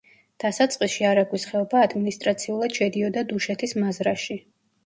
დასაწყისში არაგვის ხეობა ადმინისტრაციულად შედიოდა დუშეთის მაზრაში.